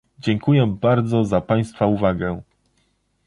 Dziękuję bardzo za państwa uwagę